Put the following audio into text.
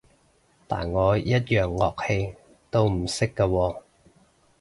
但我一樣樂器都唔識㗎喎